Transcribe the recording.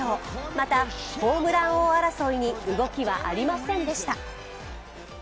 また、ホームラン王争いに動きはありませんでした。